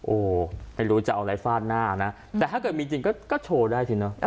โอ้โหไม่รู้จะเอาอะไรฟาดหน้านะแต่ถ้าเกิดมีจริงก็โชว์ได้สิเนอะ